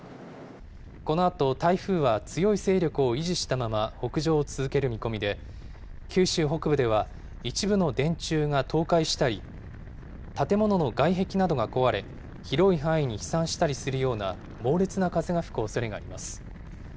このあと台風は強い勢力を維持したまま北上を続ける見込みで、九州北部では一部の電柱が倒壊したり、建物の外壁などが壊れ、広い範囲に飛散したりするような猛烈な風が吹くおそれがあります。